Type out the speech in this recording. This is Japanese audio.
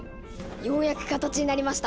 ようやく形になりました！